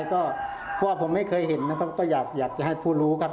ก็เพราะว่าผมไม่เคยเห็นนะครับก็อยากจะให้ผู้รู้ครับ